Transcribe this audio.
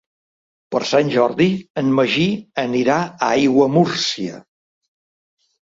Per Sant Jordi en Magí anirà a Aiguamúrcia.